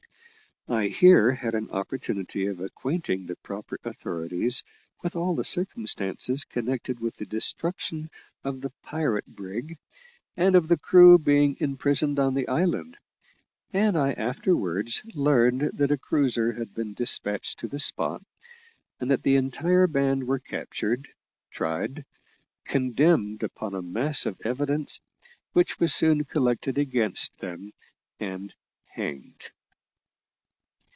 I here had an opportunity of acquainting the proper authorities with all the circumstances connected with the destruction of the pirate brig, and of the crew being imprisoned on the island, and I afterwards learned that a cruiser had been despatched to the spot, and that the entire band were captured, tried, condemned upon a mass of evidence, which was soon collected against them, and hanged.